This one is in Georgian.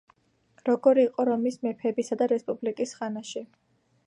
როგორი იყო რომის მეფეებისა და რესპუბლიკის ხანაში?